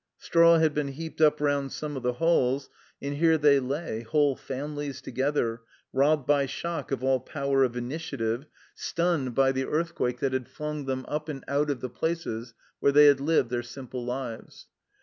Straw had been heaped up round some of the halls, and here they lay, whole families together, robbed by shock of all power of initiative, stunned by the earthquake that 3 18 THE CELLAR HOUSE OF PERVYSE had flung them up and out of the places where they had lived their simple lives.